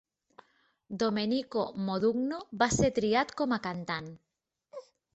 Domenico Modugno va ser triat com a cantant.